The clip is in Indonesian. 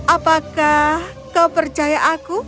apakah kau percaya aku